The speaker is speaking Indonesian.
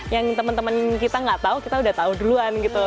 yang teman teman kita nggak tahu kita udah tahu duluan gitu